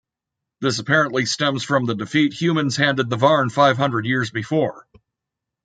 This apparently stems from the defeat Humans handed the Varn five hundred years before.